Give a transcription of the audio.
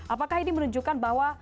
apakah ini menunjukkan bahwa